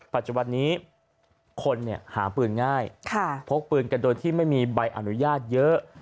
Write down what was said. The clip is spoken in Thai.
ปัจจุบันนี้คนหาปืนง่ายพกปืนกันโดยที่ไม่มีใบอนุญาตเยอะ